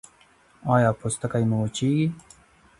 ایا پوستکی مو وچیږي؟